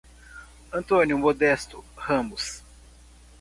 Antônio Modesto Ramos